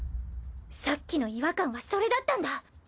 さっきの違和感はそれだったんだ。